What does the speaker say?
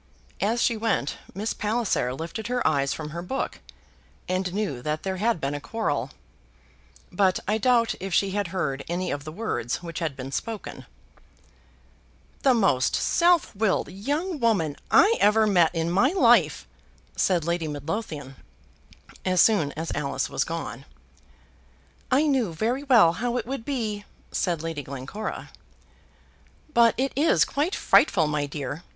As she went Miss Palliser lifted her eyes from her book, and knew that there had been a quarrel, but I doubt if she had heard any of the words which had been spoken. "The most self willed young woman I ever met in my life," said Lady Midlothian, as soon as Alice was gone. [Illustration: "The most self willed young woman I ever met in my life."] "I knew very well how it would be," said Lady Glencora. "But it is quite frightful, my dear.